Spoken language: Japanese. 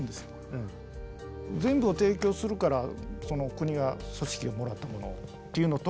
全部を提供するからその国が組織をもらったものっていうのと。